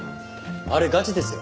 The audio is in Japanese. あれガチですよ。